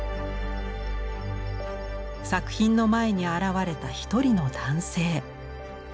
作品の前に現れた一人の男性。